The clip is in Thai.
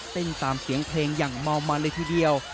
เต้นตามเสียงเพลงอย่างเมาเลยทีเดียว